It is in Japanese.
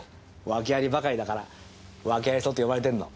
ワケありばかりだからワケあり荘って呼ばれてんの。